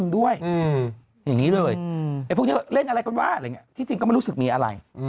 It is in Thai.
ด้วยอย่างนี้เลยไอ้พวกนี้เล่นอะไรกันว่าอะไรอย่างนี้ที่จริงก็ไม่รู้สึกมีอะไร